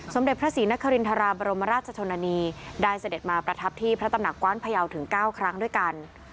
สมเด็จพระศรีนครินทราบรมราชชนนานีได้เสด็จมาประทับที่พระตำหนักกว้านพยาวถึง๙ครั้งด้วยกัน